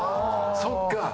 そっか！